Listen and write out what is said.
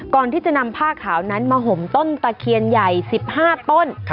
ก่อนที่จะนำผ้าขาวนั้นมาห่มต้นตะเคียนใหญ่๑๕ต้น